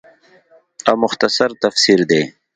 او مختصر تفسير دے